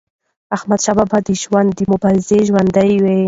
احمدشاه بابا د ژوند د مبارزې ژوند و.